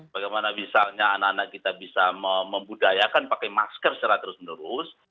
bagaimana misalnya anak anak kita bisa membudayakan pakai masker secara terus menerus